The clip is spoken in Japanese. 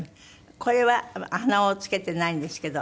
これは鼻緒を付けてないんですけど。